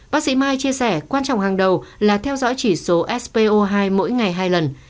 bác sĩ mai chia sẻ quan trọng hàng đầu là theo dõi chỉ số spo hai mỗi ngày hai lần